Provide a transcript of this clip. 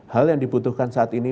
hal yang dibutuhkan saat ini